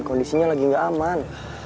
kondisinya lagi gak aman